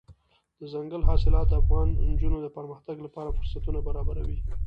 دځنګل حاصلات د افغان نجونو د پرمختګ لپاره فرصتونه برابروي.